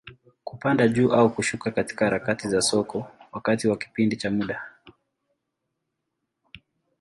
Kupanda juu au kushuka katika harakati za soko, wakati wa kipindi cha muda.